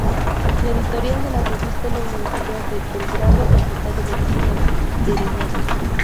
La editorial de la revista es la Universidad de Belgrado, Facultad de Medicina Veterinaria.